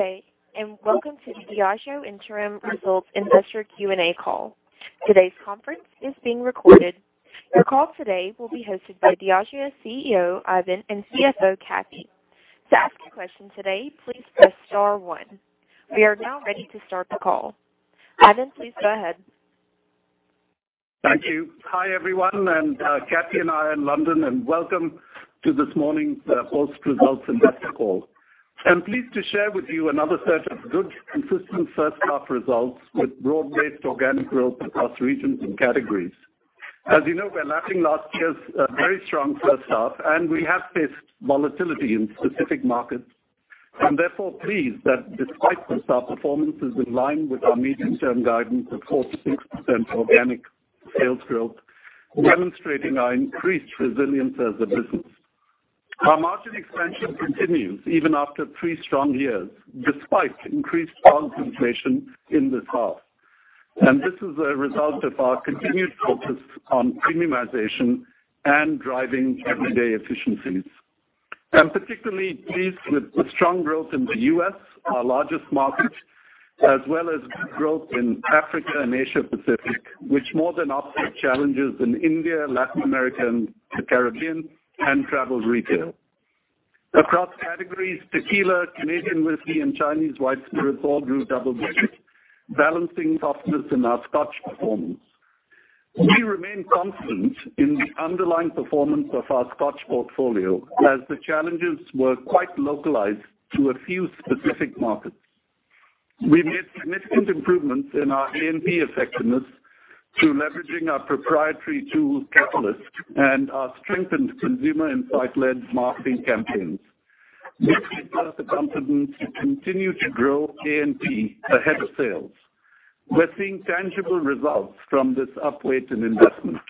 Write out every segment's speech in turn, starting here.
Good day. Welcome to the Diageo interim results investor Q&A call. Today's conference is being recorded. Your call today will be hosted by Diageo CEO, Ivan, and CFO, Kathy. To ask a question today, please press star one. We are now ready to start the call. Ivan, please go ahead. Thank you. Hi, everyone. Kathy and I are in London, and welcome to this morning's post-results investor call. I'm pleased to share with you another set of good, consistent first half results with broad-based organic growth across regions and categories. As you know, we're lapping last year's very strong first half, and we have faced volatility in specific markets. I'm therefore pleased that despite this, our performance is in line with our medium-term guidance of 4%-6% organic sales growth, demonstrating our increased resilience as a business. Our margin expansion continues even after three strong years, despite increased raw inflation in this half, and this is a result of our continued focus on premiumization and driving everyday efficiencies. I'm particularly pleased with the strong growth in the U.S., our largest market, as well as good growth in Africa and Asia Pacific, which more than offset challenges in India, Latin America and Caribbean and travel retail. Across categories, tequila, Canadian whisky, and Chinese white spirits all grew double digits, balancing softness in our Scotch performance. We remain confident in the underlying performance of our Scotch portfolio, as the challenges were quite localized to a few specific markets. We made significant improvements in our A&P effectiveness through leveraging our proprietary tools, Catalyst, and our strengthened consumer insight led marketing campaigns. This gives us the confidence to continue to grow A&P ahead of sales. We're seeing tangible results from this upweight in investment.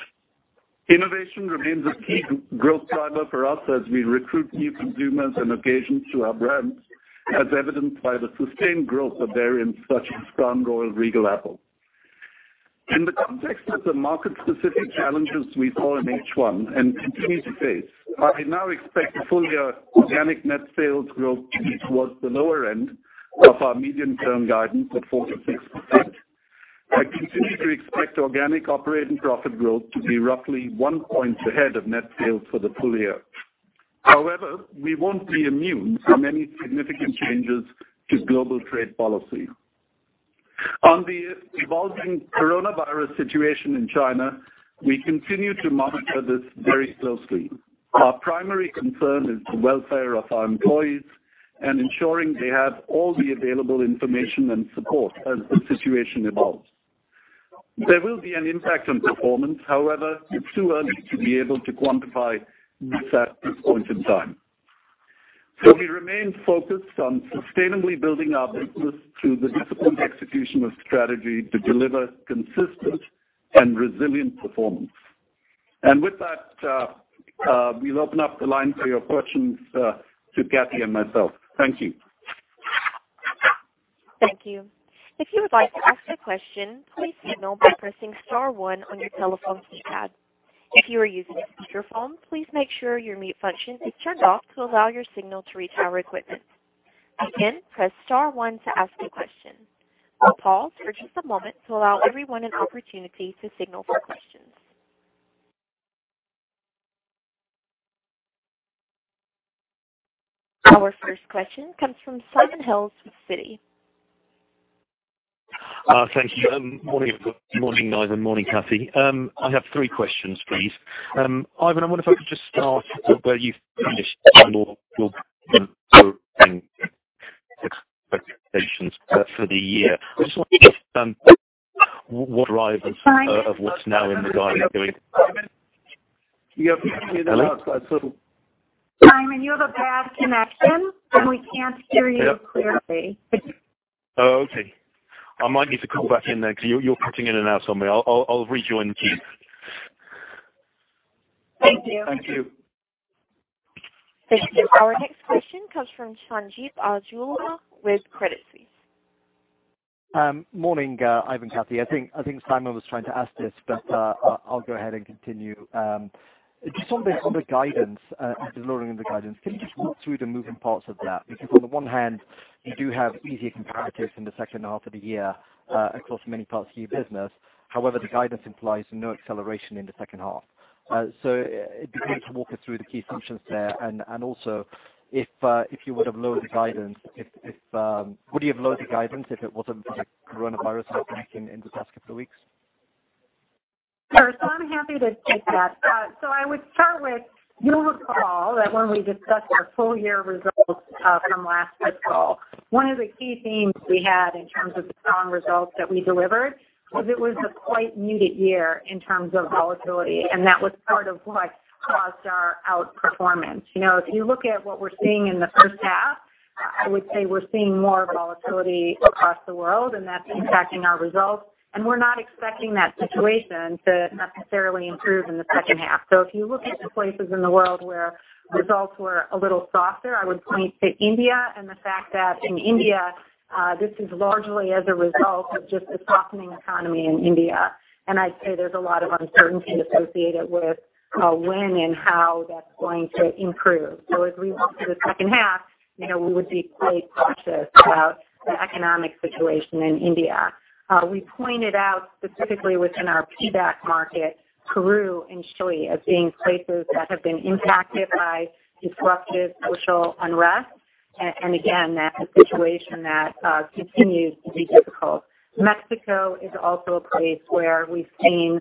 Innovation remains a key growth driver for us as we recruit new consumers and occasions to our brands, as evidenced by the sustained growth of variants such as Crown Royal Regal Apple. In the context of the market-specific challenges we saw in H1 and continue to face, I now expect full-year organic net sales growth to be towards the lower end of our medium-term guidance of 4%-6%. I continue to expect organic operating profit growth to be roughly one point ahead of net sales for the full year. We won't be immune from any significant changes to global trade policy. On the evolving coronavirus situation in China, we continue to monitor this very closely. Our primary concern is the welfare of our employees and ensuring they have all the available information and support as the situation evolves. There will be an impact on performance. However, it's too early to be able to quantify this at this point in time. We remain focused on sustainably building our business through the disciplined execution of strategy to deliver consistent and resilient performance. With that, we'll open up the line for your questions to Kathy and myself. Thank you. Thank you. If you would like to ask a question, please signal by pressing star one on your telephone keypad. If you are using a speakerphone, please make sure your mute function is turned off to allow your signal to reach our equipment. Again, press star one to ask a question. We will pause for just a moment to allow everyone an opportunity to signal for questions. Our first question comes from Simon Hales with Citi. Thank you. Morning, Ivan. Morning, Kathy. I have three questions, please. Ivan, I wonder if I could just start where you finished and your expectations for the year. I just wonder what drivers of what's now in the guidance Simon, you're coming in and out, so. Simon, you have a bad connection, and we can't hear you clearly. Okay. I might need to call back in then because you're cutting in and out on me. I'll rejoin the queue. Thank you. Thank you. Thank you. Our next question comes from Sanjeet Aujla with Credit Suisse. Morning, Ivan, Kathy. I think Simon was trying to ask this, but I'll go ahead and continue. Just on the guidance, the lowering of the guidance, can you just walk through the moving parts of that? On the one hand, you do have easier comparatives in the second half of the year across many parts of your business. However, the guidance implies no acceleration in the second half. It'd be great to walk us through the key assumptions there, and also, would you have lowered the guidance if it wasn't for the coronavirus outbreak in the past couple of weeks? Sure. I'm happy to take that. I would start with, you'll recall that when we discussed our full year results from last fiscal, one of the key themes we had in terms of the strong results that we delivered, was it was a quite muted year in terms of volatility, and that was part of what caused our outperformance. If you look at what we're seeing in the first half, I would say we're seeing more volatility across the world, and that's impacting our results, and we're not expecting that situation to necessarily improve in the second half. If you look at the places in the world where results were a little softer, I would point to India and the fact that in India, this is largely as a result of just the softening economy in India. I'd say there's a lot of uncertainty associated with when and how that's going to improve. As we look to the second half, we would be quite cautious about the economic situation in India. We pointed out specifically within our PEBAC market, Peru and Chile as being places that have been impacted by disruptive social unrest. Again, that's a situation that continues to be difficult. Mexico is also a place where we've seen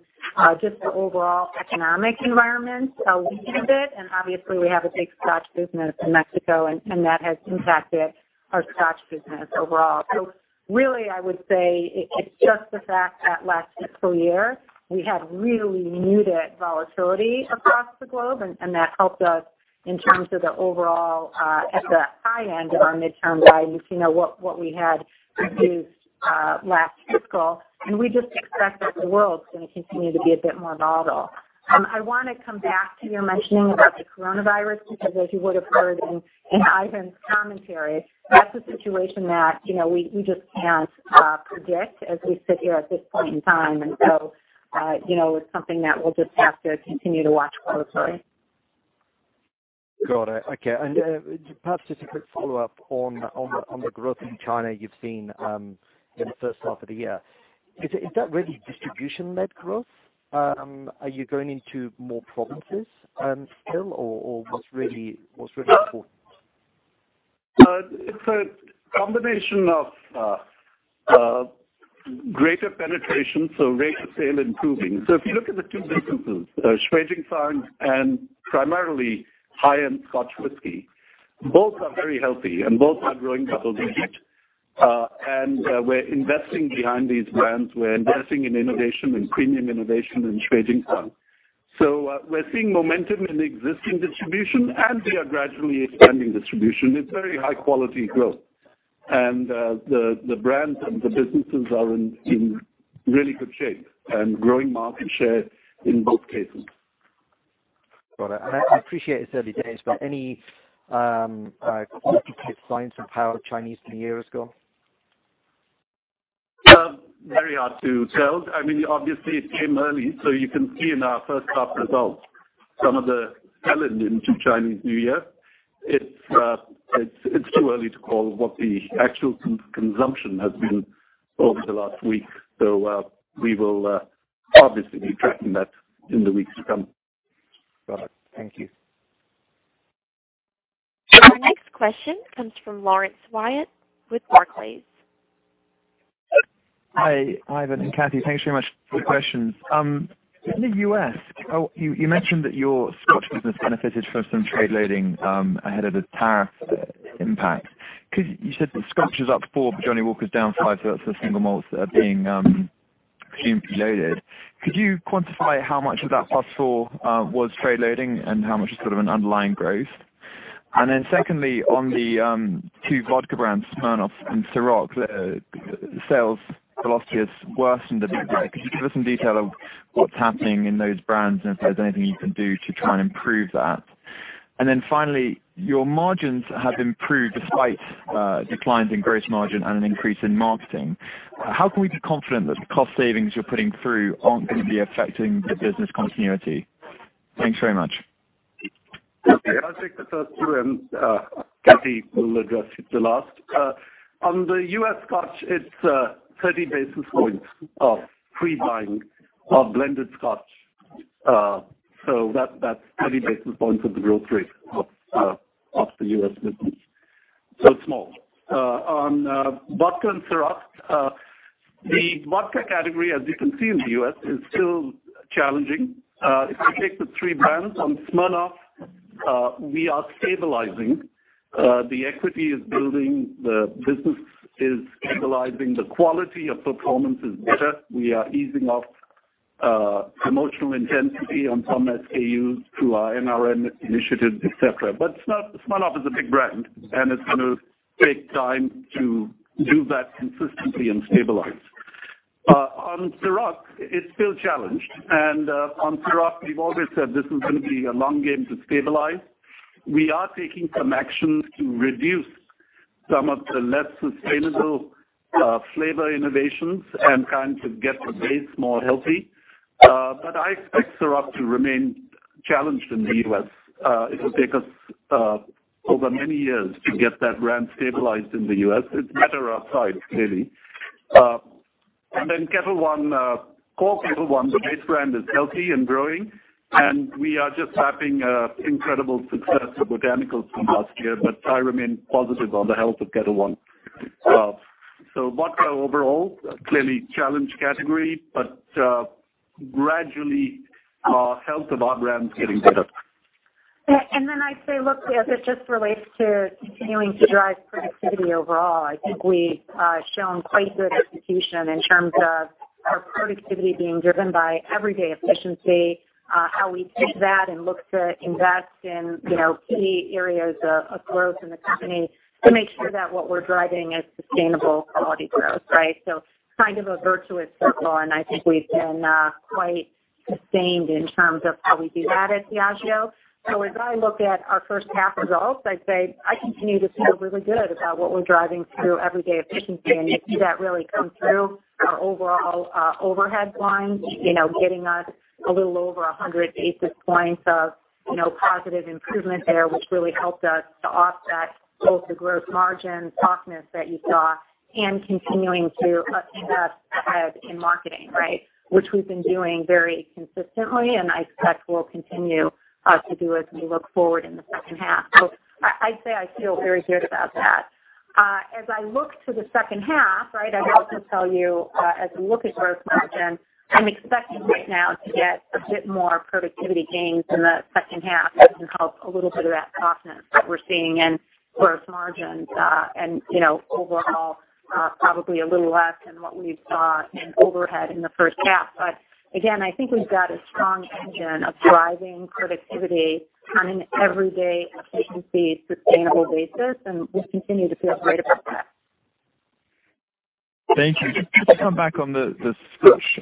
just the overall economic environment weaken a bit, and obviously we have a big Scotch business in Mexico, and that has impacted our Scotch business overall. Really, I would say it's just the fact that last fiscal year, we had really muted volatility across the globe, and that helped us in terms of the overall at the high end of our mid-term guidance, what we had reduced last fiscal. We just expect that the world's going to continue to be a bit more volatile. I want to come back to your mentioning about the coronavirus, because as you would have heard in Ivan's commentary, that's a situation that we just can't predict as we sit here at this point in time. It's something that we'll just have to continue to watch closely. Got it. Okay. Perhaps just a quick follow-up on the growth in China you've seen in the first half of the year. Is that really distribution-led growth? Are you going into more provinces still, or what's really important? It's a combination of greater penetration, so rate of sale improving. If you look at the two big businesses, Shui Jing Fang and primarily high-end Scotch whisky, both are very healthy, and both are growing double digits. We're investing behind these brands. We're investing in innovation and premium innovation in Shui Jing Fang. We're seeing momentum in the existing distribution, and we are gradually expanding distribution. It's very high-quality growth. The brands and the businesses are in really good shape and growing market share in both cases. Got it. I appreciate it's early days, but any qualitative signs of how Chinese New Year has gone? Very hard to tell. Obviously, it came early, so you can see in our first half results some of the sell-in into Chinese New Year. It is too early to call what the actual consumption has been over the last week. We will obviously be tracking that in the weeks to come. Got it. Thank you. Our next question comes from Laurence Whyatt with Barclays. Hi, Ivan and Kathy. Thanks very much for the questions. In the U.S., you mentioned that your Scotch business benefited from some trade loading ahead of the tariff impact. You said that Scotch is up 4%, but Johnnie Walker's down 5%, so that's the single malts that are being presumably loaded. Could you quantify how much of that up four was trade loading, and how much is sort of an underlying growth? Secondly, on the two vodka brands, Smirnoff and Cîroc, sales velocity has worsened a bit there. Could you give us some detail of what's happening in those brands, and if there's anything you can do to try and improve that? Finally, your margins have improved despite declines in gross margin and an increase in marketing. How can we be confident that the cost savings you're putting through aren't going to be affecting the business continuity? Thanks very much. Okay. I'll take the first two. Kathy will address the last. On the U.S. Scotch, it's 30 basis points of pre-buying of blended Scotch. That's 30 basis points of the real rate of the U.S. business. It's small. On vodka and Cîroc, the vodka category, as you can see in the U.S., is still challenging. If you take the three brands on Smirnoff, we are stabilizing. The equity is building. The business is stabilizing. The quality of performance is better. We are easing off promotional intensity on some SKUs through our NRM initiative, et cetera. Smirnoff is a big brand, and it's going to take time to do that consistently and stabilize. On Cîroc, it's still challenged. On Cîroc, we've always said this is going to be a long game to stabilize. We are taking some actions to reduce some of the less sustainable flavor innovations and trying to get the base more healthy. I expect Cîroc to remain challenged in the U.S. It'll take us over many years to get that brand stabilized in the U.S. It's better outside, clearly. Then Ketel One, core Ketel One, the base brand is healthy and growing, and we are just tapping incredible success of Botanicals from last year. I remain positive on the health of Ketel One. Vodka overall, clearly challenged category, but gradually, health of our brands getting better. I'd say, look, as it just relates to continuing to drive productivity overall, I think we've shown quite good execution in terms of our productivity being driven by everyday efficiency, how we take that and look to invest in key areas of growth in the company to make sure that what we're driving is sustainable quality growth, right. Kind of a virtuous circle, and I think we've been quite sustained in terms of how we do that at Diageo. As I look at our first half results, I'd say I continue to feel really good about what we're driving through everyday efficiency, and you see that really come through our overall overhead lines, getting us a little over 100 basis points of positive improvement there, which really helped us to offset both the gross margin softness that you saw and continuing to invest ahead in marketing, right, which we've been doing very consistently, and I expect we'll continue to do as we look forward in the second half. I'd say I feel very good about that. As I look to the second half, I have to tell you, as we look at gross margin, I'm expecting right now to get a bit more productivity gains in the second half that can help a little bit of that softness that we're seeing in gross margins. Overall, probably a little less than what we saw in overhead in the first half. Again, I think we've got a strong engine of driving productivity on an everyday efficiency, sustainable basis, and we continue to feel great about that. Thank you. Just to come back on the Scotch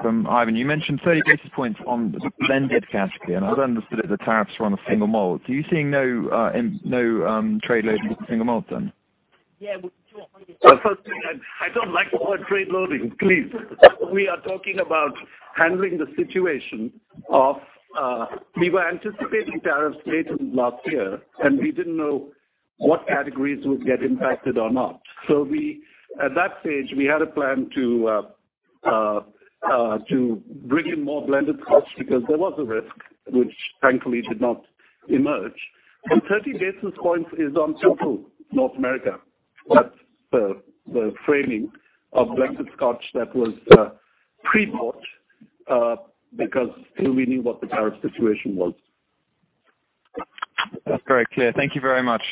from Ivan. You mentioned 30 basis points on the blended category, I'd understood that the tariffs were on a single malt. Are you seeing no trade loading on single malt, then? Yeah. Well, first thing, I don't like the word trade loading, please. We are talking about handling the situation of we were anticipating tariffs later last year, and we didn't know what categories would get impacted or not. At that stage, we had a plan to bring in more blended Scotch because there was a risk, which thankfully did not emerge. 30 basis points is on total North America. That's the framing of blended Scotch that was pre-bought, because till we knew what the tariff situation was. That's very clear. Thank you very much.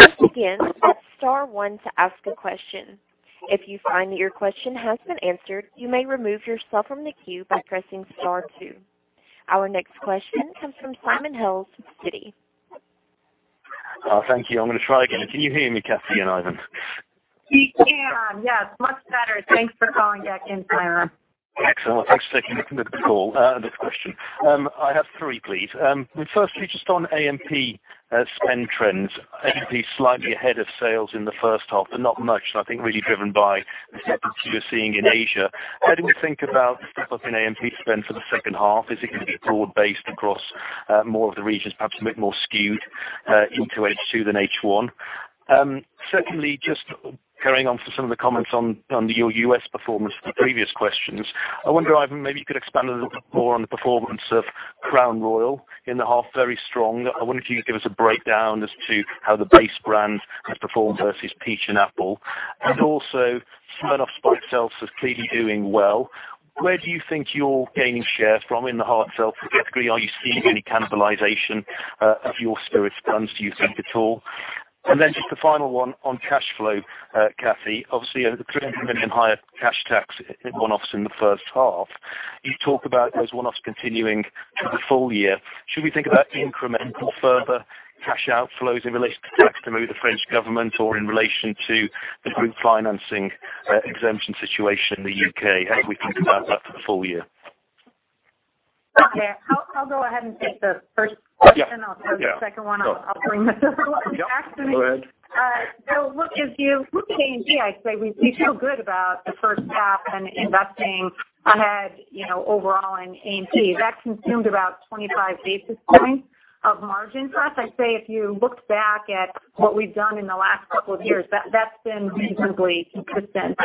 Just again, hit star one to ask a question. If you find that your question has been answered, you may remove yourself from the queue by pressing star two. Our next question comes from Simon Hales from Citi. Thank you. I'm going to try again. Can you hear me, Kathy and Ivan? We can, yes. Much better. Thanks for calling back in, Simon. Excellent. Thanks for taking the call. Good question. I have three, please. Firstly, just on A&P spend trends. A&P slightly ahead of sales in the first half, but not much, and I think really driven by the trends you are seeing in Asia. How do we think about the pickup in A&P spend for the second half? Is it going to be broad-based across more of the regions, perhaps a bit more skewed into H2 than H1? Secondly, just carrying on from some of the comments on your U.S. performance from the previous questions. I wonder, Ivan, maybe you could expand a little bit more on the performance of Crown Royal in the half, very strong. I wonder if you could give us a breakdown as to how the base brand has performed versus peach and apple. Also, Smirnoff Seltzer sales is clearly doing well. Where do you think you're gaining share from in the heart itself? To what degree are you seeing any cannibalization of your spirits brands, do you think, at all? Just the final one on cash flow, Kathy, obviously you had a 300 million higher cash tax one-offs in the first half. You've talked about those one-offs continuing through the full year. Should we think about incremental, further cash outflows in relation to tax to maybe the French government or in relation to the group financing exemption situation in the U.K.? How do we think about that for the full year? Okay. I'll go ahead and take the first question. Yeah. I'll take the second one. I'll bring the third one back to me. Go ahead. If you look at A&P, I'd say we feel good about the first half and investing ahead overall in A&P. That consumed about 25 basis points of margin for us. I'd say if you looked back at what we've done in the last couple of years, that's been reasonably consistent.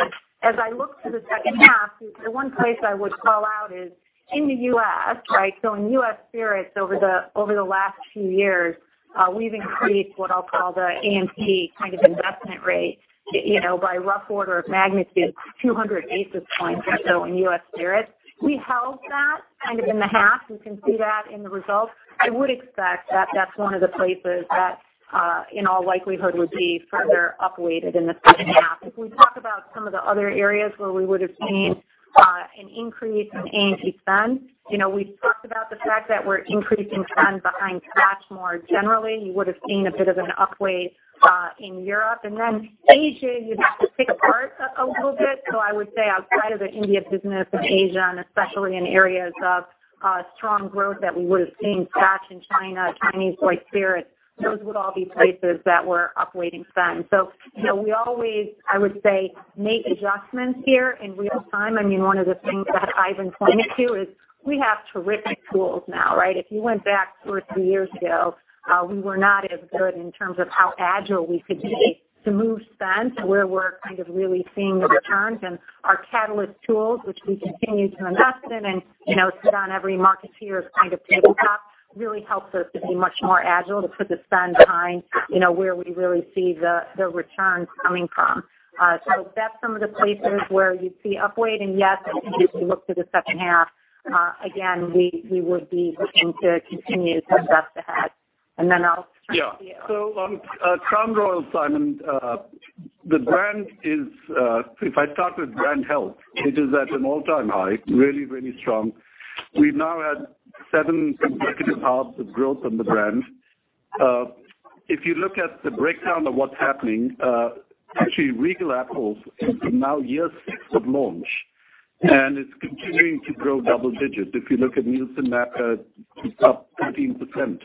As I look to the second half, the one place I would call out is in the U.S., so in U.S. spirits over the last few years, we've increased what I'll call the A&P kind of investment rate, by rough order of magnitude, 200 basis points or so in U.S. spirits. We held that kind of in the half. You can see that in the results. I would expect that that's one of the places that, in all likelihood, would be further up-weighted in the second half. If we talk about some of the other areas where we would've seen an increase in A&P spend, we've talked about the fact that we're increasing spend behind Scotch more generally. You would've seen a bit of an up-weight in Europe. Asia, you'd have to pick apart a little bit. I would say outside of the India business in Asia, and especially in areas of strong growth that we would've seen Scotch in China, Chinese white spirits, those would all be places that we're up-weighting spend. We always, I would say, make adjustments here in real-time. One of the things that Ivan pointed to is we have terrific tools now. If you went back two or three years ago, we were not as good in terms of how agile we could be to move spend to where we're kind of really seeing the returns. Our Catalyst tools, which we continue to invest in and sit on every marketer's tabletop, really helps us to be much more agile to put the spend behind where we really see the returns coming from. That's some of the places where you'd see upweight. Yes, I think as we look to the second half, again, we would be looking to continue to invest ahead. Then I'll turn to you. On Crown Royal, Simon, if I start with brand health, it is at an all-time high, really strong. We've now had seven consecutive halves of growth on the brand. If you look at the breakdown of what's happening, actually Regal Apple's now year six of launch, and it's continuing to grow double digits. If you look at Nielsen, that is up 13%.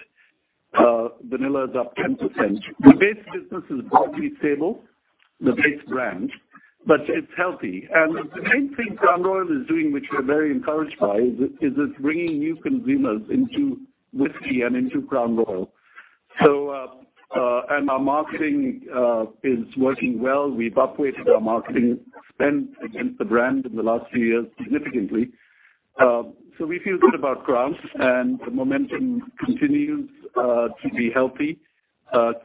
Vanilla is up 10%. The base business is broadly stable, the base brand, but it's healthy. The main thing Crown Royal is doing, which we're very encouraged by, is it's bringing new consumers into whiskey and into Crown Royal. Our marketing is working well. We've up-weighted our marketing spend against the brand in the last few years significantly. We feel good about Crown and the momentum continues to be healthy.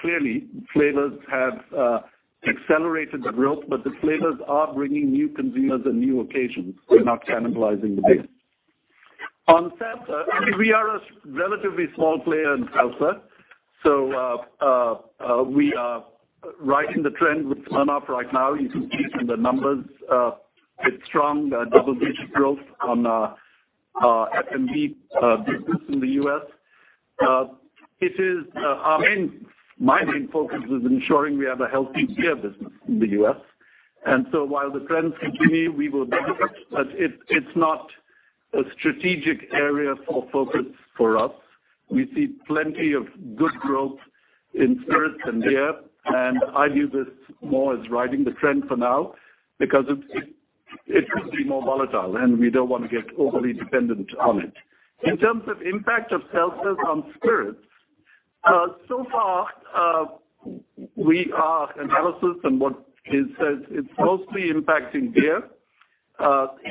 Clearly, flavors have accelerated the growth, but the flavors are bringing new consumers and new occasions. They're not cannibalizing the business. On seltzer, I mean, we are a relatively small player in seltzer. We are riding the trend with Smirnoff right now. You can see from the numbers, it's strong, double-digit growth on our F&B business in the U.S. My main focus is ensuring we have a healthy beer business in the U.S., and so while the trends continue, we will benefit, but it's not a strategic area of focus for us. We see plenty of good growth in spirits and beer, and I view this more as riding the trend for now, because it could be more volatile, and we don't want to get overly dependent on it. In terms of impact of seltzers on spirits, so far, our analysis and what is said, it's mostly impacting beer.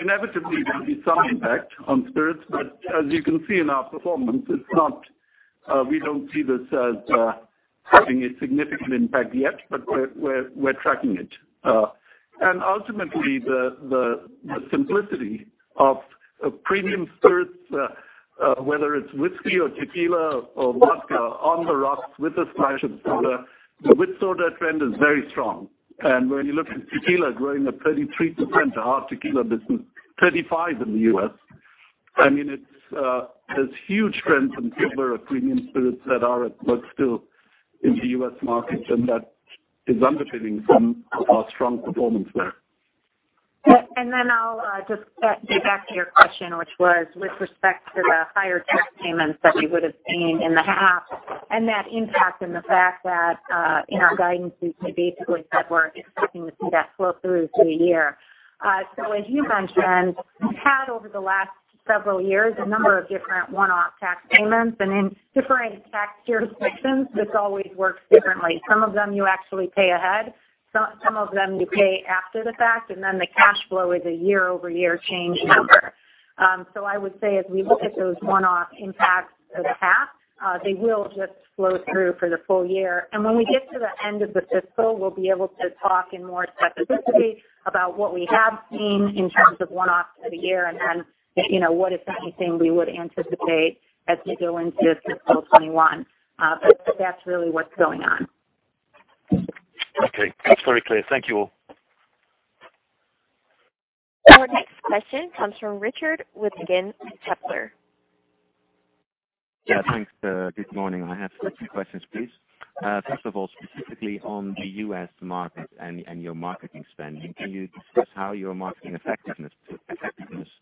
Inevitably, there'll be some impact on spirits, but as you can see in our performance, we don't see this as having a significant impact yet. We're tracking it. Ultimately, the simplicity of a premium spirits, whether it's whiskey or tequila or vodka on the rocks with a splash of soda, the with soda trend is very strong. When you look at tequila growing at 33%, our tequila business, 35% in the U.S., I mean, there's huge trends in favor of premium spirits that are at work still in the U.S. market, and that is underpinning some of our strong performance there. Then I'll just get back to your question, which was with respect to the higher tax payments that we would've seen in the half, and that impact and the fact that, in our guidance, we basically said we're expecting to see that flow through to the year. As you mentioned, we've had, over the last several years, a number of different one-off tax payments. In different tax jurisdictions, this always works differently. Some of them you actually pay ahead, some of them you pay after the fact, and then the cash flow is a year-over-year change number. I would say as we look at those one-off impacts for the half, they will just flow through for the full year. When we get to the end of the fiscal, we'll be able to talk in more specificity about what we have seen in terms of one-offs for the year. If, what, if anything, we would anticipate as we go into fiscal 2021. That's really what's going on. Okay. That's very clear. Thank you all. Our next question comes from Richard Withagen, Kepler. Yeah, thanks. Good morning. I have two questions, please. First of all, specifically on the U.S. market and your marketing spend. Can you discuss how your marketing effectiveness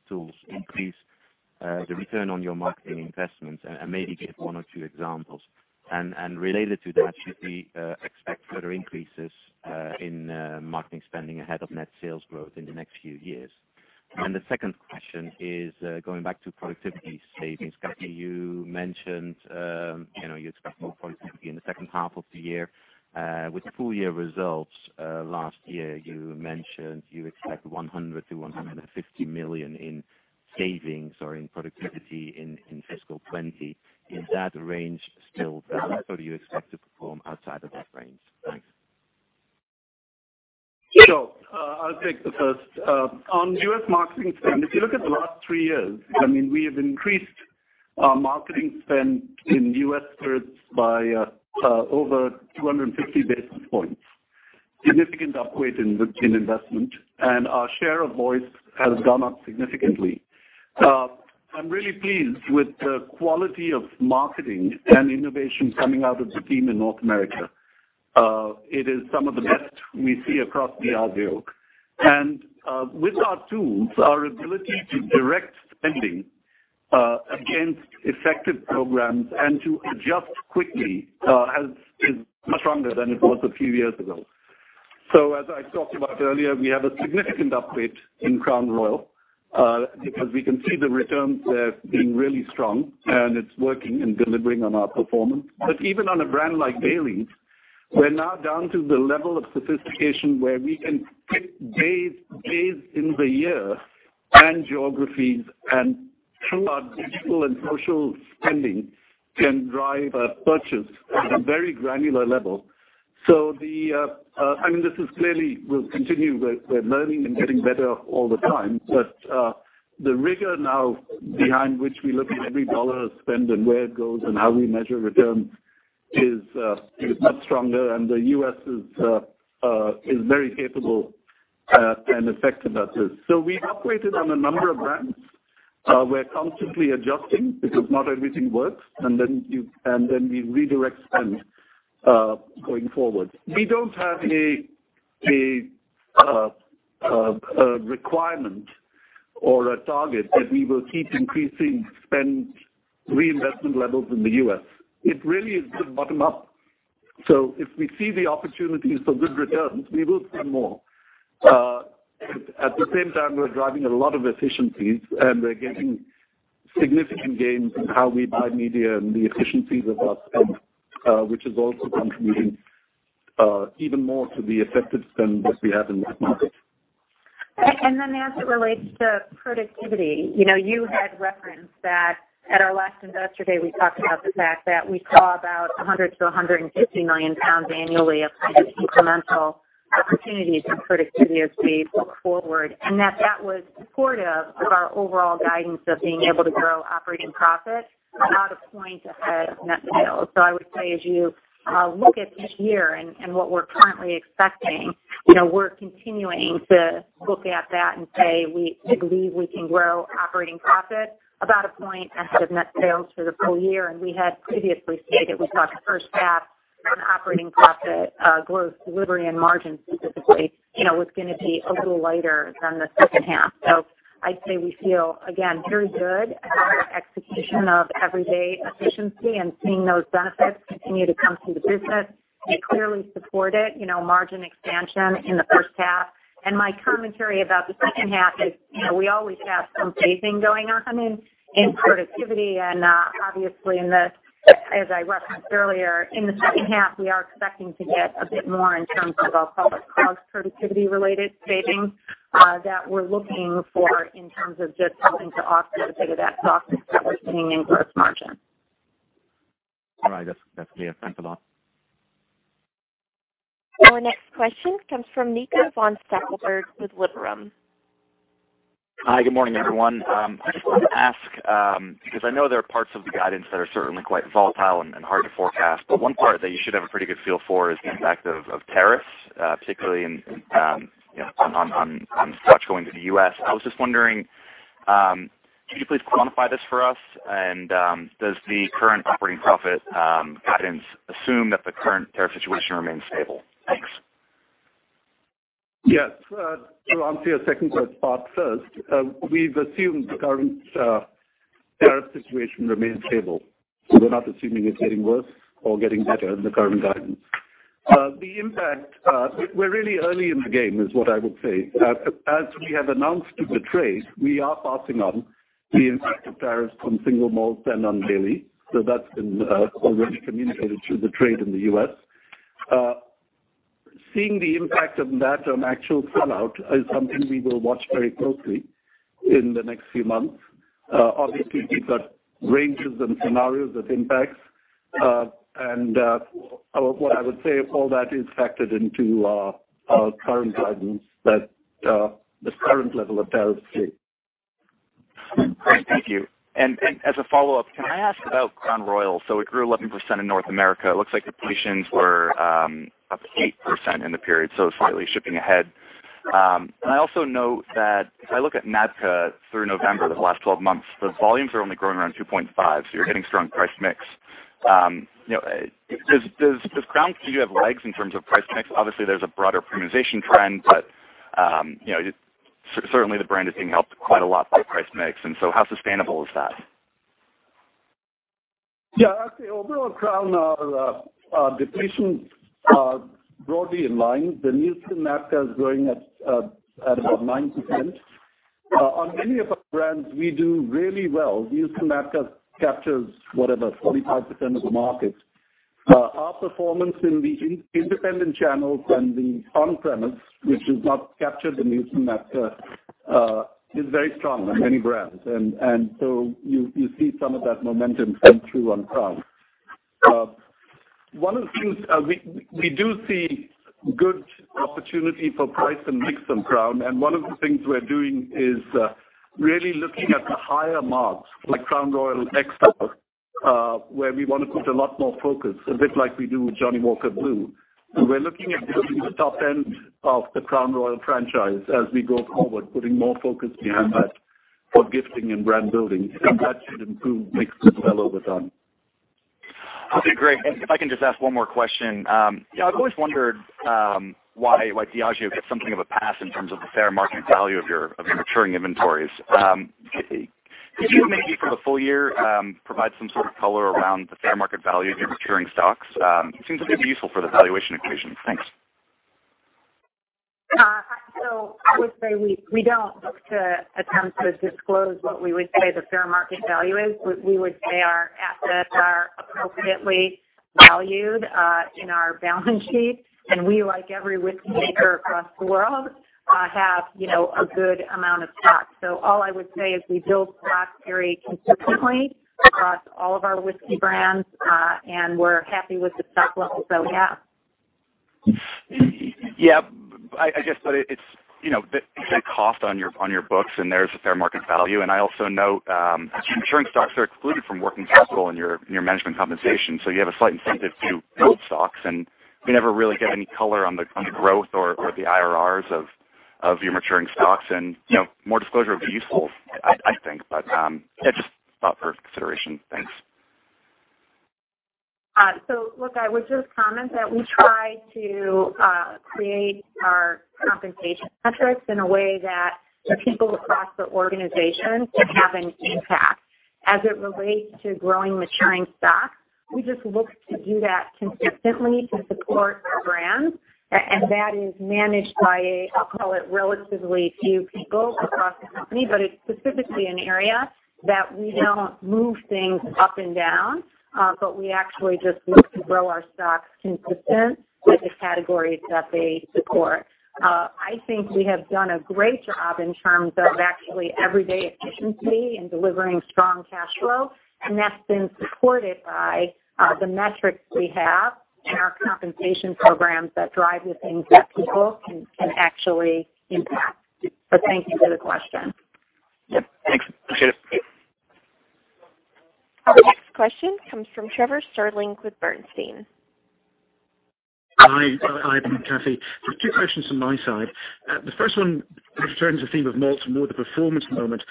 tools increase the return on your marketing investments and maybe give one or two examples? Related to that, should we expect further increases in marketing spending ahead of net sales growth in the next few years? The second question is, going back to productivity savings. Kathy, you mentioned, you expect more productivity in the second half of the year. With full-year results, last year, you mentioned you expect 100 million-150 million in savings or in productivity in fiscal 2020. Is that range still valid, or do you expect to perform outside of that range? Thanks. I'll take the first. On U.S. marketing spend, if you look at the last three years, I mean, we have increased our marketing spend in U.S. spirits by over 250 basis points. Significant upweight in investment. Our share of voice has gone up significantly. I'm really pleased with the quality of marketing and innovation coming out of the team in North America. It is some of the best we see across Diageo. With our tools, our ability to direct spending against effective programs and to adjust quickly is much stronger than it was a few years ago. As I talked about earlier, we have a significant upweight in Crown Royal, because we can see the returns there have been really strong, and it's working and delivering on our performance. Even on a brand like Baileys, we're now down to the level of sophistication where we can pick days in the year and geographies, and through our digital and social spending, can drive a purchase at a very granular level. I mean, this is clearly, we'll continue. We're learning and getting better all the time. The rigor now behind which we look at every dollar spent and where it goes and how we measure returns is much stronger, and the U.S. is very capable, and effective at this. We've upweighted on a number of brands. We're constantly adjusting because not everything works, we redirect spend, going forward. We don't have a requirement or a target that we will keep increasing spend reinvestment levels in the U.S. It really is bottom up. If we see the opportunities for good returns, we will spend more. At the same time, we're driving a lot of efficiencies, and we're getting significant gain from how we buy media and the efficiencies of our spend, which has also been contributing even more to the effective spend that we have in the market. As it relates to productivity, you had referenced that at our last investor day, we talked about the fact that we saw about 100 million-150 million pounds annually of kind of incremental opportunities in productivity as we look forward, and that that was supportive of our overall guidance of being able to grow operating profit about a point ahead of net sales. I would say as you look at this year and what we're currently expecting, we're continuing to look at that and say we believe we can grow operating profit about a point ahead of net sales for the full year. We had previously stated we thought the first half on operating profit growth delivery and margins specifically, was going to be a little lighter than the second half. I'd say we feel, again, very good about our execution of everyday efficiency and seeing those benefits continue to come through the business. They clearly support it, margin expansion in the first half. My commentary about the second half is, we always have some phasing going on in productivity and, obviously in this, as I referenced earlier, in the second half, we are expecting to get a bit more in terms of what I'll call the cost productivity related savings, that we're looking for in terms of just helping to optimize some of that profit that we're seeing in gross margin. All right. That's clear. Thanks a lot. Our next question comes from Nico von Stackelberg with Liberum. Hi, good morning, everyone. I just wanted to ask, because I know there are parts of the guidance that are certainly quite volatile and hard to forecast, but one part that you should have a pretty good feel for is the impact of tariffs, particularly on Scotch going to the U.S. I was just wondering, can you please quantify this for us? Does the current operating profit guidance assume that the current tariff situation remains stable? Thanks. Yes. To answer your second part first, we've assumed the current tariff situation remains stable. We're not assuming it's getting worse or getting better in the current guidance. The impact, we're really early in the game is what I would say. We have announced to the trade, we are passing on the impact of tariffs on single malt and on Baileys. That's been already communicated to the trade in the U.S. Seeing the impact of that on actual sell-out is something we will watch very closely in the next few months. Obviously, we've got ranges and scenarios of impacts. What I would say, all that is factored into our current guidance, that the current level of tariffs stay. Great. Thank you. As a follow-up, can I ask about Crown Royal? It grew 11% in North America. It looks like depletions were up 8% in the period, so it's really shipping ahead. I also note that if I look at NABCA through November, the last 12 months, those volumes are only growing around 2.5%. You're getting strong price mix. Does Crown still have legs in terms of price mix? Obviously, there's a broader premiumization trend, but certainly the brand is being helped quite a lot by price mix. How sustainable is that? Yeah, actually, although on Crown our depletions are broadly in line, the Nielsen market is growing at about 9%. On many of our brands, we do really well. Nielsen market captures, whatever, 45% of the market. Our performance in the independent channels and the on-premise, which is not captured in Nielsen market, is very strong on many brands. So you see some of that momentum come through on Crown. We do see good opportunity for price and mix on Crown, and one of the things we're doing is really looking at the higher marks like Crown Royal XR, where we want to put a lot more focus, a bit like we do with Johnnie Walker Blue. We're looking at building the top end of the Crown Royal franchise as we go forward, putting more focus behind that for gifting and brand building, and that should improve mix as well over time. Okay, great. If I can just ask one more question. I've always wondered why Diageo gets something of a pass in terms of the fair market value of your maturing inventories. Could you maybe for the full year, provide some sort of color around the fair market value of your maturing stocks? It seems like it'd be useful for the valuation equation. Thanks. I would say we don't look to attempt to disclose what we would say the fair market value is. We would say our assets are appropriately valued in our balance sheet, and we, like every whiskey maker across the world, have a good amount of stock. All I would say is we build stock very consistently across all of our whiskey brands, and we're happy with the stock levels that we have. Yeah. I guess, it's the cost on your books, and there's the fair market value. I also note maturing stocks are excluded from working capital in your management compensation. You have a slight incentive to build stocks, and we never really get any color on the growth or the IRRs of your maturing stocks. More disclosure would be useful, I think, but, yeah, just thought for consideration. Thanks. Look, I would just comment that we try to create our compensation metrics in a way that the people across the organization can have an impact. As it relates to growing maturing stock. We just look to do that consistently to support our brands, and that is managed by a, I'll call it, relatively few people across the company, but it's specifically an area that we don't move things up and down, but we actually just look to grow our stocks consistent with the categories that they support. I think we have done a great job in terms of actually everyday efficiency and delivering strong cash flow, and that's been supported by the metrics we have and our compensation programs that drive the things that people can actually impact. Thank you for the question. Yep. Thanks. Appreciate it. Our next question comes from Trevor Stirling with Bernstein. Hi. Hi Ivan, Kathy, two questions from my side. The first one returns the theme of malts and more the performance moment.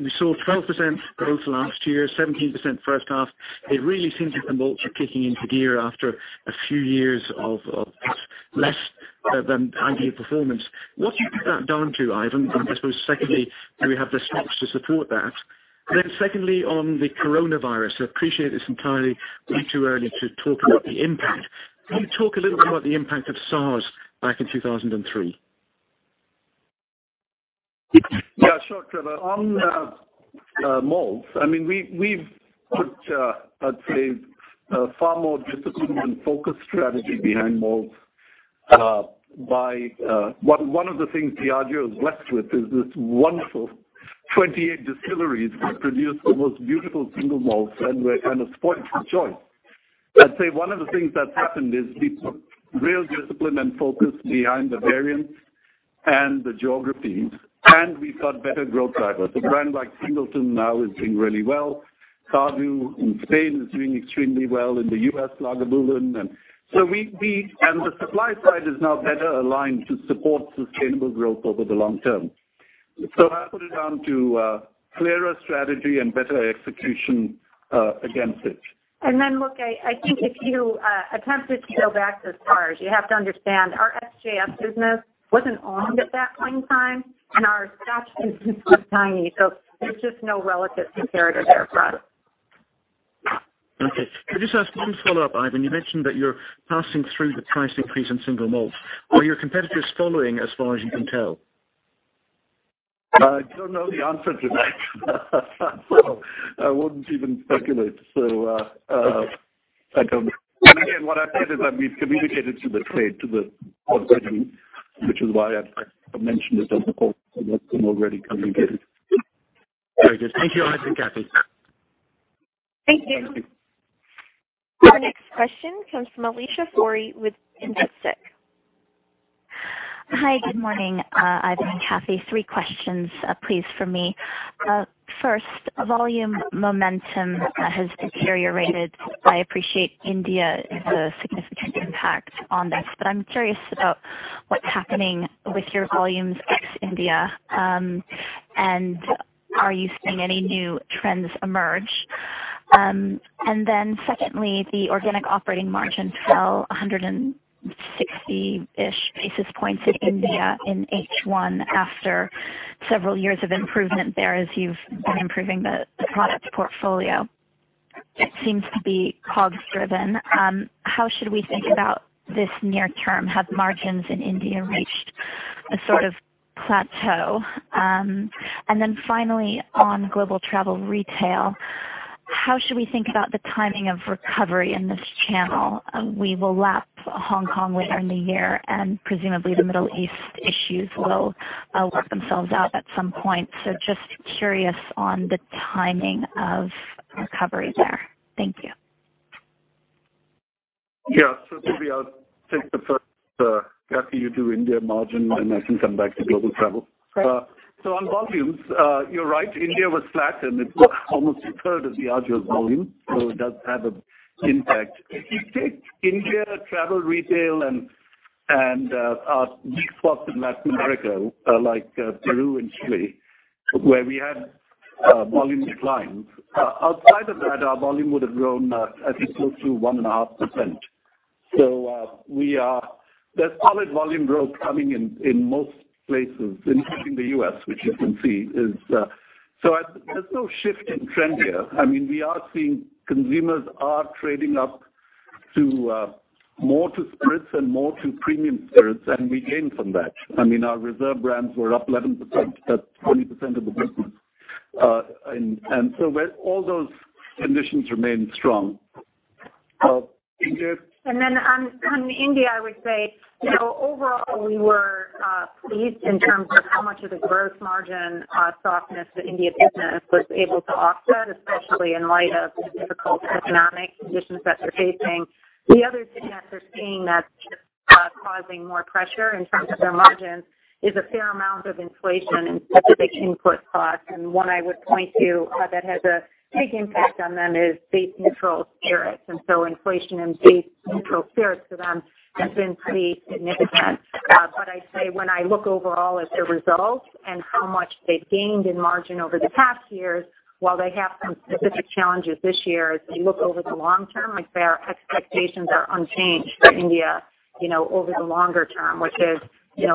We saw 12% growth last year, 17% first half. It really seems like the malts are kicking into gear after a few years of less than ideal performance. What do you put that down to, Ivan? I suppose secondly, do we have the stocks to support that? Secondly, on the coronavirus, I appreciate it's entirely way too early to talk about the impact. Can you talk a little bit about the impact of SARS back in 2003? Yeah, sure, Trevor. On malts, we've put a, I'd say, a far more disciplined and focused strategy behind malts. One of the things Diageo is blessed with is these wonderful 28 distilleries that produce the most beautiful single malts, we're kind of spoiled for choice. I'd say one of the things that's happened is we put real discipline and focus behind the variants and the geographies, we've got better growth drivers. A brand like The Singleton now is doing really well. Cardhu in Spain is doing extremely well. In the U.S., Lagavulin. The supply side is now better aligned to support sustainable growth over the long term. I put it down to a clearer strategy and better execution against it. Look, I think if you attempted to go back to SARS, you have to understand, our SJF business wasn't on at that point in time, and our Scotch business was tiny, so there's just no relative comparator there for us. Okay. Could I just ask one follow-up, Ivan? You mentioned that you're passing through the price increase in single malts. Are your competitors following as far as you can tell? I don't know the answer to that. I wouldn't even speculate. I don't know. Again, what I said is that we've communicated to the trade, to the off-take team, which is why I mentioned it on the call, because it's been already communicated. Very good. Thank you, Ivan, Kathy. Thank you. Our next question comes from Alicia Forry with Investec. Hi. Good morning, Ivan and Kathy. Three questions, please, from me. First, volume momentum has deteriorated. I appreciate India has a significant impact on this, but I'm curious about what's happening with your volumes ex-India, and are you seeing any new trends emerge? Secondly, the organic operating margin fell 160 basis points in India in H1 after several years of improvement there as you've been improving the product portfolio. It seems to be COGS driven. How should we think about this near term? Have margins in India reached a sort of plateau? Finally, on global travel retail, how should we think about the timing of recovery in this channel? We will lap Hong Kong later in the year, and presumably the Middle East issues will work themselves out at some point. Just curious on the timing of recovery there. Thank you. Maybe I'll take the first, Kathy, you do India margin, and I can come back to global travel. Great. On volumes, you're right, India was flat, and it's almost a third of Diageo's volume, so it does have an impact. If you take India, travel, retail, and our weak spots in Latin America, like Peru and Chile, where we had volume declines. Outside of that, our volume would have grown, I think close to 1.5%. There's solid volume growth coming in most places, including the U.S., which you can see. There's no shift in trend here. We are seeing consumers are trading up to more to spirits and more to premium spirits, and we gain from that. Our reserve brands were up 11%. That's 20% of the business. All those conditions remain strong. On India, I would say, overall, we were pleased in terms of how much of the gross margin softness the India business was able to offset, especially in light of the difficult economic conditions that they're facing. The other thing that they're seeing that's just causing more pressure in terms of their margins is a fair amount of inflation in specific input costs, and one I would point to that has a big impact on them is base neutral spirits. Inflation in base neutral spirits for them has been pretty significant. I'd say when I look overall at their results and how much they've gained in margin over the past years, while they have some specific challenges this year, as we look over the long term, their expectations are unchanged for India. Over the longer term, which is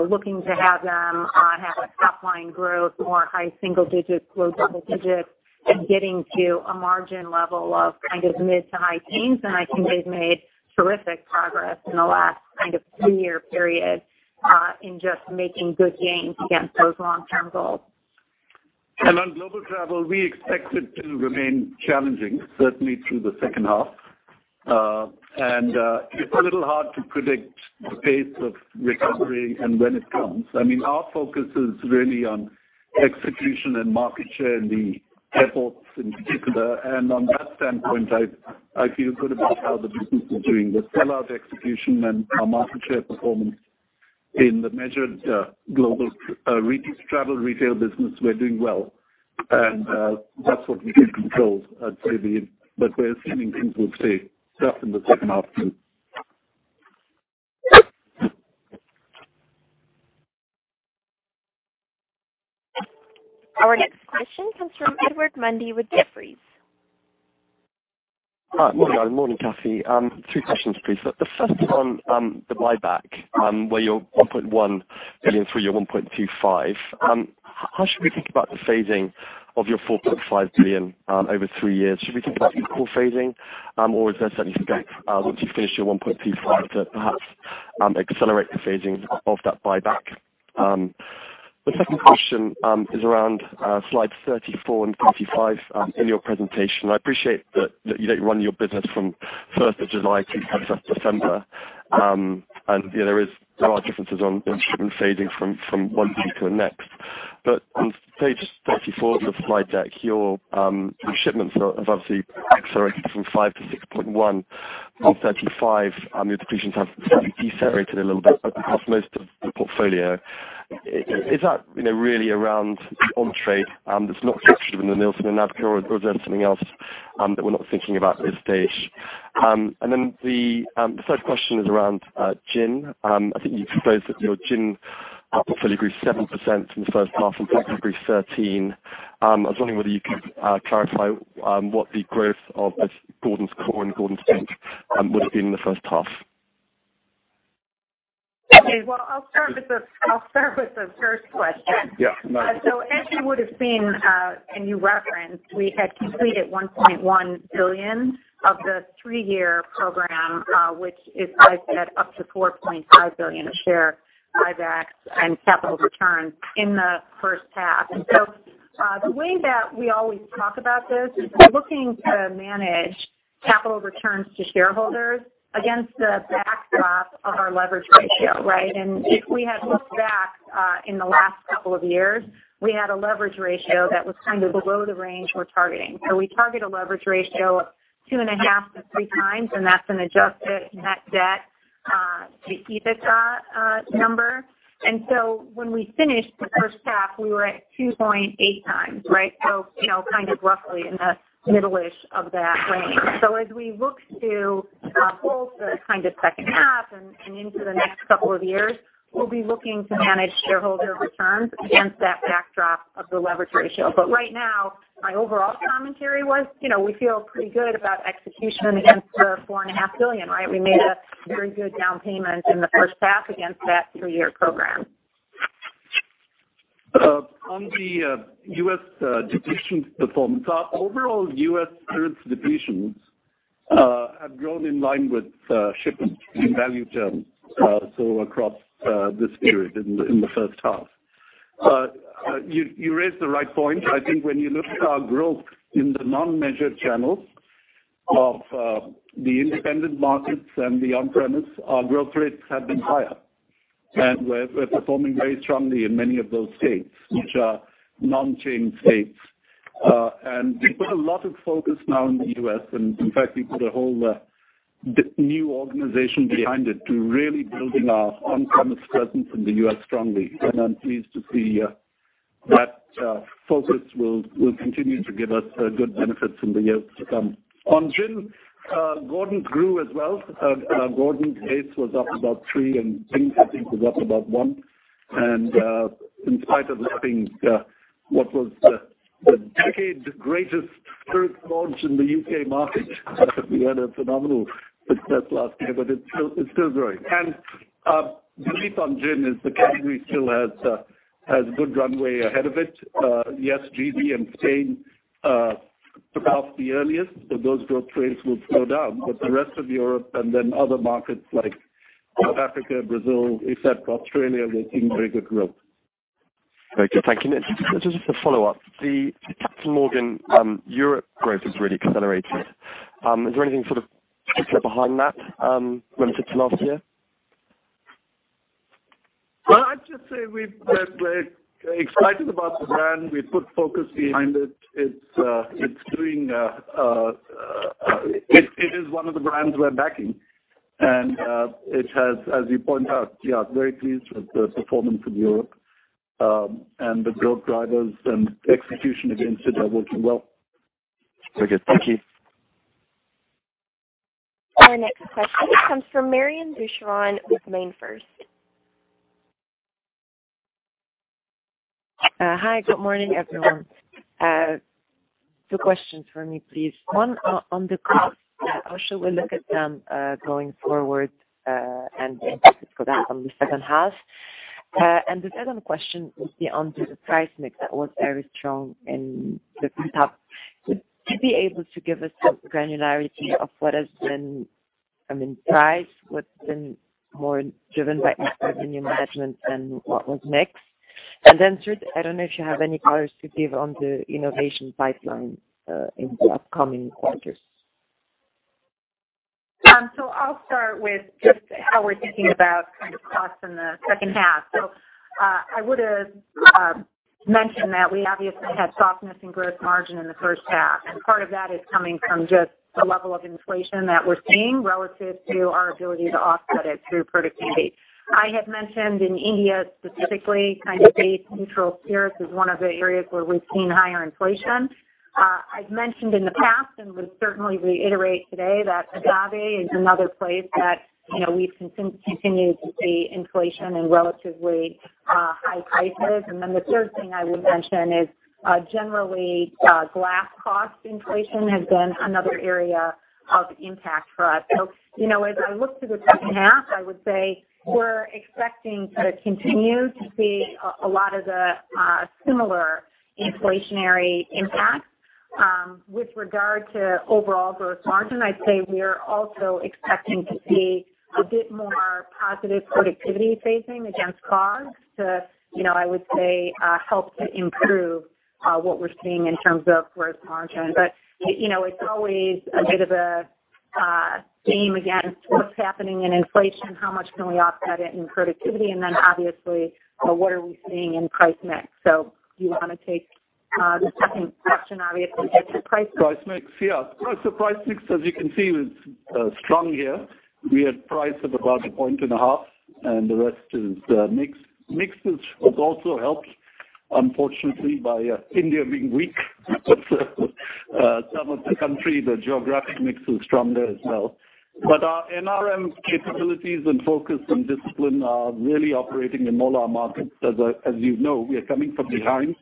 looking to have them have a top-line growth, more high single digits, low double digits, and getting to a margin level of mid to high teens. I think they've made terrific progress in the last two-year period, in just making good gains against those long-term goals. On global travel, we expect it to remain challenging, certainly through the second half. It's a little hard to predict the pace of recovery and when it comes. Our focus is really on execution and market share in the airports in particular. On that standpoint, I feel good about how the business is doing. The sell-out execution and our market share performance in the measured global travel retail business, we're doing well. That's what we can control at Diageo. We're assuming things will stay tough in the second half too. Our next question comes from Edward Mundy with Jefferies. Hi, Morning, Ivan. Morning, Kathy. Two questions, please. The first on the buyback, where you're 1.1 billion through your 1.25 billion. How should we think about the phasing of your 4.5 billion over three years? Should we think about equal phasing, or is there some gap once you finish your 1.25 billion to perhaps accelerate the phasing of that buyback? The second question is around slide 34 and 35 in your presentation. I appreciate that you don't run your business from 1st of July to 31st December. There are differences on shipment phasing from one peak to the next. On page 34 of the slide deck, your shipments have obviously accelerated from 5% to 6.1%. On 35, your depletions have certainly decelerated a little bit across most of the portfolio. Is that really around the on-trade that's not captured in the [reports], or is there something else that we're not thinking about at this stage? The third question is around gin. I think you proposed that your gin portfolio grew 7% in the first half and vodka grew 13%. I was wondering whether you could clarify what the growth of Gordon's Core and Gordon's Pink would have been in the first half. Okay. I'll start with the first question. Yeah. As you would have seen, and you referenced, we had completed 1.1 billion of the three-year program, which is I said up to 4.5 billion of share buybacks and capital returns in the first half. The way that we always talk about this is we're looking to manage capital returns to shareholders against the backdrop of our leverage ratio, right? If we had looked back in the last couple of years, we had a leverage ratio that was kind of below the range we're targeting. We target a leverage ratio of 2.5x-3x, and that's an adjusted net debt to EBITDA number. When we finished the first half, we were at 2.8x, right? Kind of roughly in the middle-ish of that range. As we look to both the second half and into the next couple of years, we'll be looking to manage shareholder returns against that backdrop of the leverage ratio. Right now, my overall commentary was, we feel pretty good about execution against our 4.5 billion, right? We made a very good down payment in the first half against that three-year program. On the U.S. depletions performance, our overall U.S. spirits depletions have grown in line with shipments in value terms, so across this period in the first half. You raised the right point. I think when you look at our growth in the non-measured channels of the independent markets and the on-premise, our growth rates have been higher. We're performing very strongly in many of those states, which are non-chain states. We put a lot of focus now in the U.S., and in fact, we put a whole new organization behind it to really building our on-premise presence in the U.S. strongly. I'm pleased to see that focus will continue to give us good benefits in the years to come. On gin, Gordon's grew as well. Gordon's base was up about 3%, and Pink, I think, was up about 1%. In spite of having what was the decade's greatest spirits launch in the U.K. market, we had a phenomenal success last year, but it's still growing. Belief on gin is the category still has good runway ahead of it. Yes, G.B. and Spain took off the earliest, so those growth rates will slow down, but the rest of Europe and then other markets like South Africa, Brazil, except Australia, we're seeing very good growth. Okay, thank you. Just a follow-up. The Captain Morgan Europe growth has really accelerated. Is there anything particular behind that relative to last year? Well, I'd just say we're excited about the brand. We put focus behind it. It is one of the brands we're backing. It has, as you point out, yeah, very pleased with the performance in Europe. The growth drivers and execution against it are working well. Very good. Thank you. Our next question comes from Marion Boucheron with MainFirst. Hi, good morning, everyone. Two questions from me, please. One, on the costs, how should we look at them going forward, and the impact it's got on the second half? The second question would be on the price mix that was very strong in the first half. Would you be able to give us some granularity of price, what's been more driven by external management than what was mixed? Then third, I don't know if you have any colors to give on the innovation pipeline in the upcoming quarters. I'll start with just how we're thinking about costs in the second half. I would mention that we obviously had softness in gross margin in the first half, and part of that is coming from just the level of inflation that we're seeing relative to our ability to offset it through productivity. I had mentioned in India specifically, kind of base neutral spirits is one of the areas where we've seen higher inflation. I've mentioned in the past, and would certainly reiterate today, that agave is another place that we've continued to see inflation and relatively high prices. The third thing I would mention is, generally, glass cost inflation has been another area of impact for us. As I look to the second half, I would say we're expecting to continue to see a lot of the similar inflationary impacts. With regard to overall gross margin, I'd say we're also expecting to see a bit more positive productivity phasing against COGS to, I would say, help to improve what we're seeing in terms of gross margin. It's always a bit of a game against what's happening in inflation, how much can we offset it in productivity, and then obviously, what are we seeing in price mix. Do you want to take the second question, obviously, which is price mix? Price mix. Price mix, as you can see, was strong here. We had price of about a point and a half, and the rest is mix. Mix was also helped, unfortunately, by India being weak. Some of the country, the geographic mix was strong there as well. Our NRM capabilities and focus and discipline are really operating in all our markets. As you know, we are coming from behind,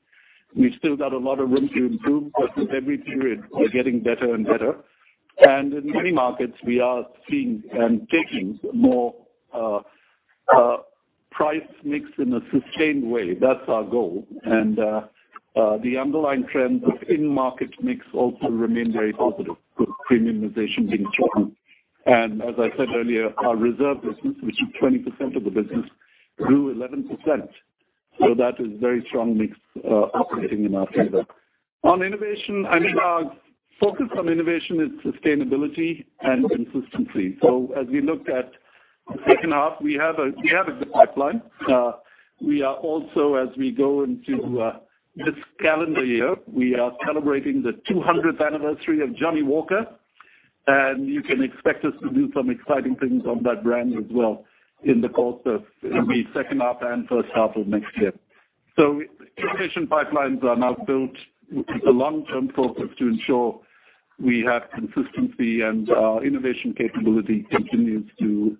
and we've still got a lot of room to improve, but with every period, we're getting better and better. In many markets, we are seeing and taking more price mix in a sustained way. That's our goal. The underlying trends of in-market mix also remain very positive, with premiumization being strong. As I said earlier, our reserve business, which is 20% of the business, grew 11%. That is very strong mix operating in our favor. On innovation, our focus on innovation is sustainability and consistency. As we look at the second half, we have a good pipeline. We are also, as we go into this calendar year, we are celebrating the 200th anniversary of Johnnie Walker, and you can expect us to do some exciting things on that brand as well in the course of the second half and first half of next year. Innovation pipelines are now built with a long-term focus to ensure we have consistency, and our innovation capability continues to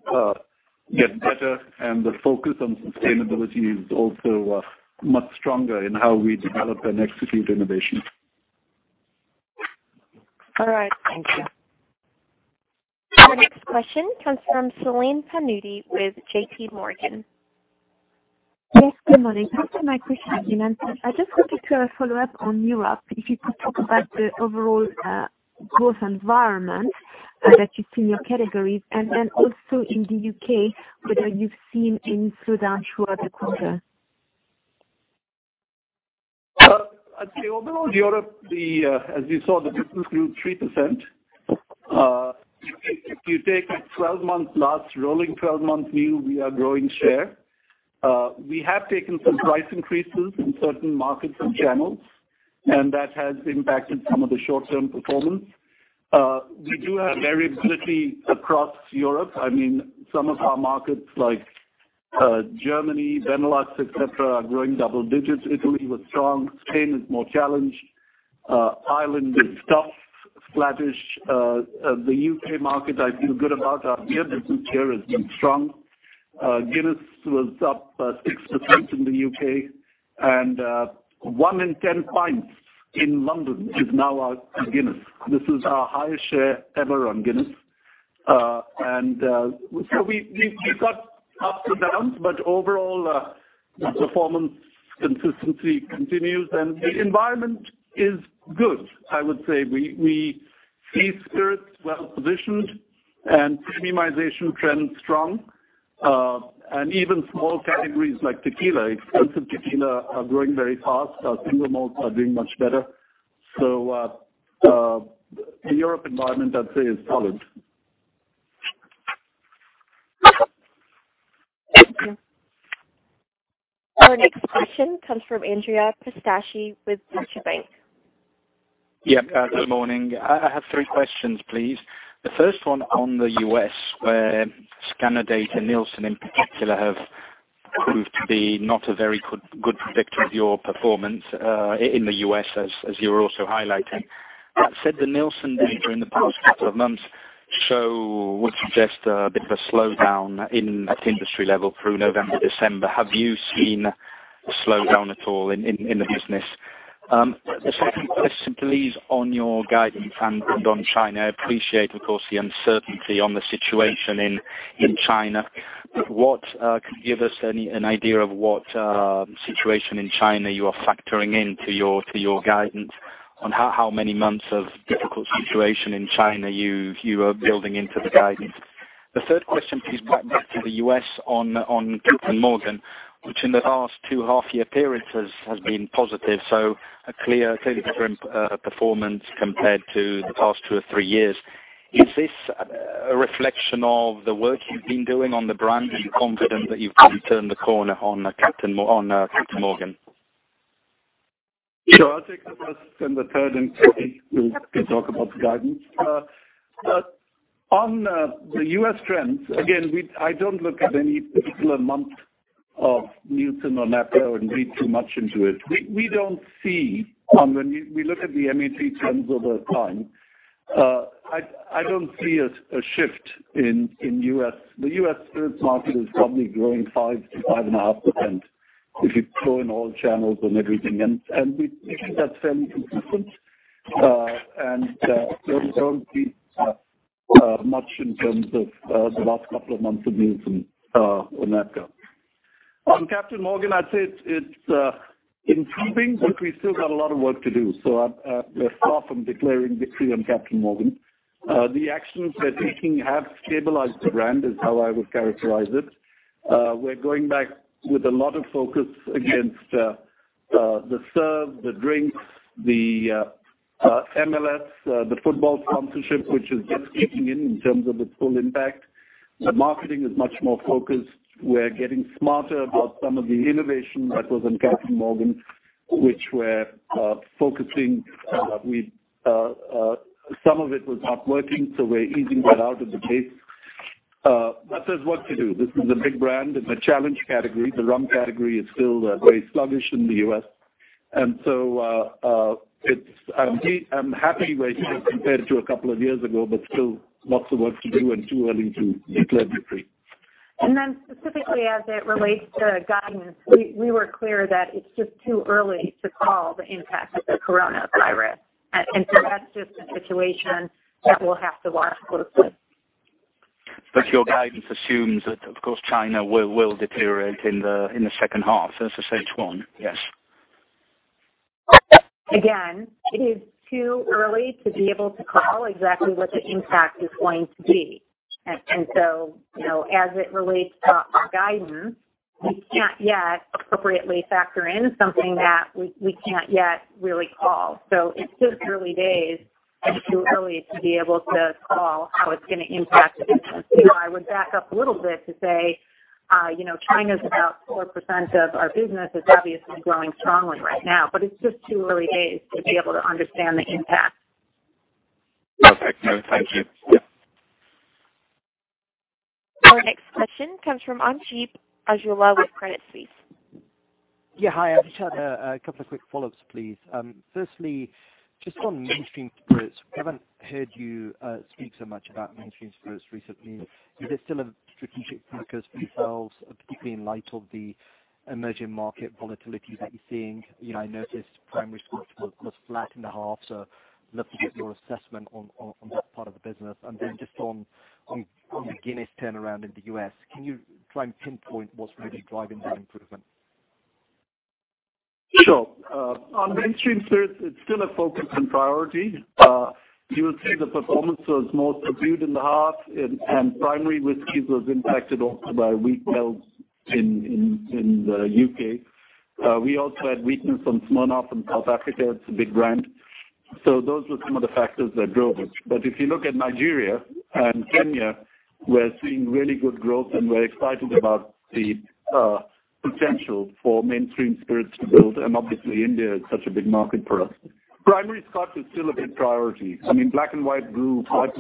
get better, and the focus on sustainability is also much stronger in how we develop and execute innovation. All right. Thank you. The next question comes from Celine Pannuti with JPMorgan. Yes, good morning. Most of my questions have been answered. I just wanted to follow up on Europe, if you could talk about the overall growth environment that you see in your categories, and then also in the U.K., whether you've seen any slowdown through the quarter. I'd say overall Europe, as you saw, the business grew 3%. If you take a 12-month last rolling 12-month view, we are growing share. We have taken some price increases in certain markets and channels, that has impacted some of the short-term performance. We do have variability across Europe. Some of our markets, like Germany, Benelux, et cetera, are growing double digits. Italy was strong. Spain is more challenged. Ireland is tough, flattish. The U.K. market, I feel good about. Our beer business here has been strong. Guinness was up 6% in the U.K., one in 10 pints in London is now a Guinness. This is our highest share ever on Guinness. We've got ups and downs, overall, the performance consistency continues, the environment is good, I would say. We see spirits well positioned, premiumization trends strong. Even small categories like tequila, expensive tequila, are growing very fast. Our single malts are doing much better. The Europe environment, I'd say, is solid. Thank you. Our next question comes from Andrea Pistacchi with Deutsche Bank. Good morning. I have three questions, please. The first one on the U.S., where scanner data, Nielsen in particular, have proved to be not a very good predictor of your performance in the U.S., as you were also highlighting. That said, the Nielsen data in the past couple of months show would suggest a bit of a slowdown at industry level through November, December. Have you seen a slowdown at all in the business? The second question, please, on your guidance and on China. I appreciate, of course, the uncertainty on the situation in China. Can you give us an idea of what situation in China you are factoring into your guidance on how many months of difficult situation in China you are building into the guidance? The third question, please, back to the U.S. on Captain Morgan, which in the past two half-year appearances has been positive. A clearly different performance compared to the past two or three years. Is this a reflection of the work you've been doing on the brand? Are you confident that you've turned the corner on Captain Morgan? I'll take the first and the third. Kathy will talk about the guidance. On the U.S. trends, again, I don't look at any particular month of Nielsen or Nielsen and read too much into it. When we look at the MAT trends over time, I don't see a shift in U.S. The U.S. spirits market is probably growing 5%-5.5% if you throw in all channels and everything. We think that's fairly consistent. We don't see much in terms of the last couple of months of Nielsen on that count. On Captain Morgan, I'd say it's improving, but we've still got a lot of work to do. I'm far from declaring victory on Captain Morgan. The actions we're taking have stabilized the brand, is how I would characterize it. We're going back with a lot of focus against the serve, the drinks, the MLS, the football sponsorship, which is just kicking in terms of its full impact. The marketing is much more focused. We're getting smarter about some of the innovation that was on Captain Morgan, which we're focusing. Some of it was not working, so we're easing that out of the base. That says what to do. This is a big brand in a challenged category. The rum category is still very sluggish in the U.S. I'm happy where it is compared to a couple of years ago, but still, lots of work to do and too early to declare victory. Specifically, as it relates to guidance, we were clear that it's just too early to call the impact of the coronavirus. That's just a situation that we'll have to watch closely. Your guidance assumes that, of course, China will deteriorate in the second half, versus H1, yes? It is too early to be able to call exactly what the impact is going to be. As it relates to our guidance, we can't yet appropriately factor in something that we can't yet really call. It's just early days and too early to be able to call how it's going to impact. I would back up a little bit to say, China's about 4% of our business. It's obviously growing strongly right now. It's just too early days to be able to understand the impact. Perfect. No, thank you. Our next question comes from Sanjeet Aujla with Credit Suisse. Yeah. Hi. I just had a couple of quick follow-ups, please. Firstly, just on mainstream spirits, we haven't heard you speak so much about mainstream spirits recently. Is it still a strategic focus for yourselves, particularly in light of the emerging market volatility that you're seeing? I noticed primary Scotch was flat in the half. Love to get your assessment on that part of the business. Just on the Guinness turnaround in the U.S., can you try and pinpoint what's really driving that improvement? On mainstream spirits, it's still a focus and priority. You will see the performance was more subdued in the half, and primary whiskeys was impacted also by weak sales in the U.K. We also had weakness on Smirnoff in South Africa. It's a big brand. Those were some of the factors that drove it. If you look at Nigeria and Kenya, we're seeing really good growth, and we're excited about the potential for mainstream spirits to build. Obviously, India is such a big market for us. Primary Scotch is still a big priority. Black & White grew 5%.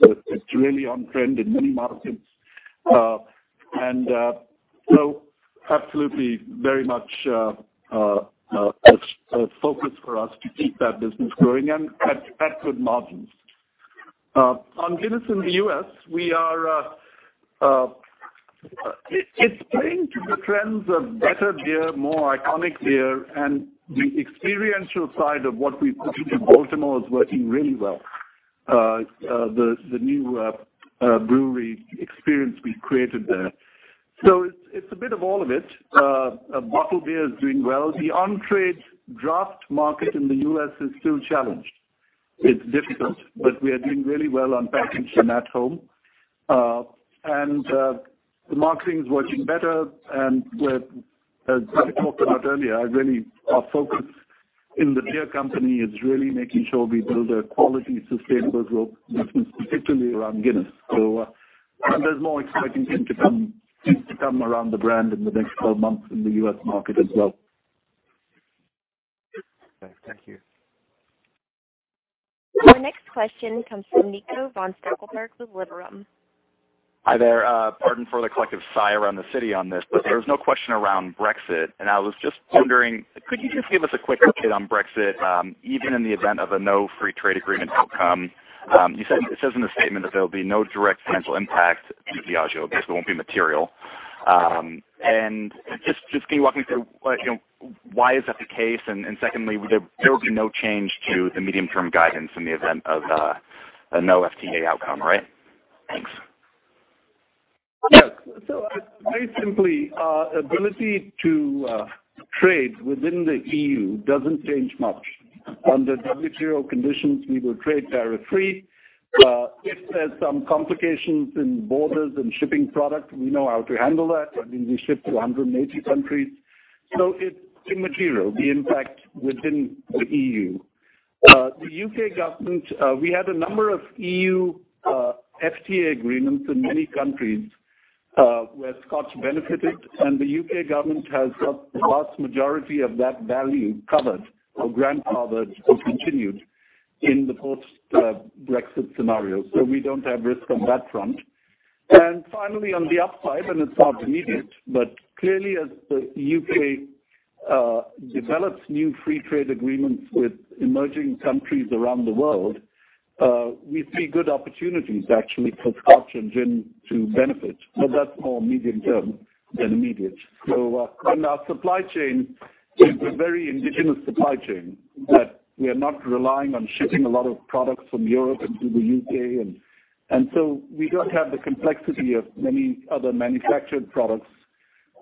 It's really on trend in many markets. Absolutely very much a focus for us to keep that business growing and at good margins. On Guinness in the U.S., it's playing to the trends of better beer, more iconic beer, and the experiential side of what we've put in Baltimore is working really well, the new brewery experience we've created there. It's a bit of all of it. Bottled beer is doing well. The on-trade draft market in the U.S. is still challenged. It's difficult, we are doing really well on packaging at home. The marketing's working better, and as Ivan talked about earlier, our focus in the beer company is really making sure we build a quality, sustainable growth business, particularly around Guinness. There's more exciting things to come around the brand in the next 12 months in the U.S. market as well. Okay. Thank you. Our next question comes from Nico von Stackelberg with Liberum. Hi there. Pardon for the collective sigh around the city on this, but there was no question around Brexit, and I was just wondering, could you just give us a quick update on Brexit, even in the event of a no free trade agreement outcome? It says in the statement that there'll be no direct financial impact to Diageo. I guess it won't be material. Just can you walk me through why is that the case? Secondly, there will be no change to the medium-term guidance in the event of a no FTA outcome, right? Thanks. Yes. Very simply, ability to trade within the EU doesn't change much. Under WTO conditions, we will trade tariff free. If there's some complications in borders and shipping product, we know how to handle that. We ship to 180 countries, so it's immaterial, the impact within the EU. The U.K. government, we had a number of EU FTA agreements in many countries, where Scotch benefited, and the U.K. government has got the vast majority of that value covered or grandfathered or continued in the post-Brexit scenario. We don't have risk on that front. Finally, on the upside, and it's not immediate, clearly, as the U.K. develops new free trade agreements with emerging countries around the world, we see good opportunities, actually, for Scotch and gin to benefit. That's more medium-term than immediate. Our supply chain is a very indigenous supply chain, that we are not relying on shipping a lot of products from Europe into the UK. We don't have the complexity of many other manufactured products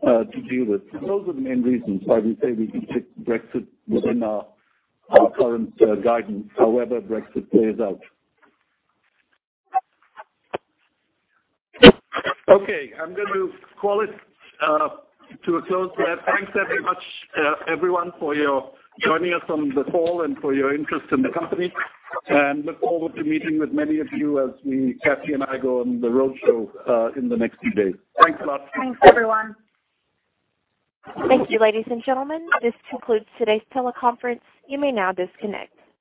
to deal with. Those are the main reasons why we say we can take Brexit within our current guidance, however Brexit plays out. I'm going to call it to a close there. Thanks very much, everyone, for your joining us on the call and for your interest in the company, and look forward to meeting with many of you as Kathy and I go on the road show in the next few days. Thanks a lot. Thanks, everyone. Thank you, ladies and gentlemen. This concludes today's teleconference. You may now disconnect.